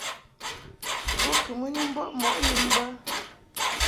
Bo kɨ mɨ ni mbɔʼ mɔʼ yum bə.